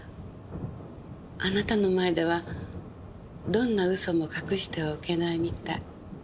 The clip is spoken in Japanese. あなたの前ではどんな嘘も隠してはおけないみたい。